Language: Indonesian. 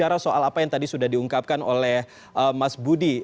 apa yang tadi sudah diungkapkan oleh mas budi